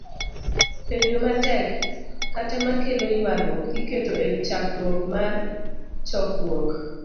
Penjo ma tek, kata ma kelo ywaruok, iketo e chakruok mar chokruok